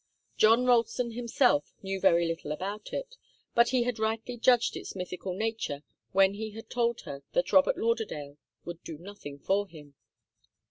John Ralston himself knew very little about it, but he had rightly judged its mythical nature when he had told her that Robert Lauderdale would do nothing for him.